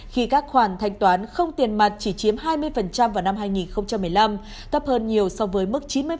khi các khoản thanh toán không tiền mặt chỉ chiếm hai mươi vào năm hai nghìn một mươi năm thấp hơn nhiều so với mức chín mươi